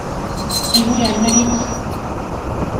އެނބުރި އަންނަނީތަ؟